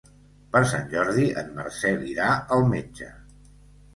Per Sant Jordi en Marcel irà al metge.